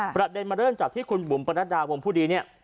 ประเด็นมาเริ่มจากที่คุณบุ๋มประนัดดาวงผู้ดีเนี่ย